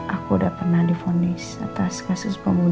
aku udah pernah difonis atas kasus pembunuhan